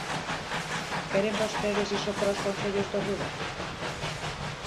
¿Queren vostedes iso para os concellos do rural?